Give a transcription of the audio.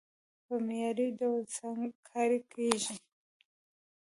په معياري ډول سنګکاري کېږي،